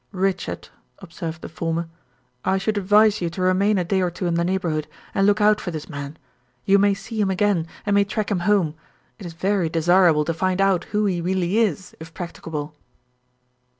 "Richard," observed the former, "I should advise you to remain a day or two in the neighborhood, and look out for this man. You may see him again, and may track him home; it is very desirable to find out who he really is if practicable."